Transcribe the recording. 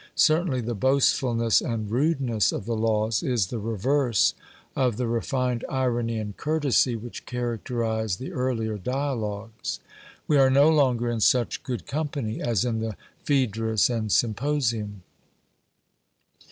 Certainly the boastfulness and rudeness of the Laws is the reverse of the refined irony and courtesy which characterize the earlier dialogues. We are no longer in such good company as in the Phaedrus and Symposium.